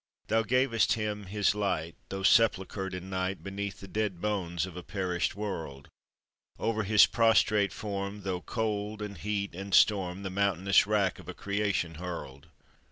Thou gavest him his light, Though sepulchred in night Beneath the dead bones of a perished world; Over his prostrate form Though cold, and heat, and storm, The mountainous wrack of a creation hurled.